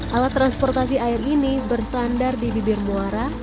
alat transportasi air ini bersandar di bibir muara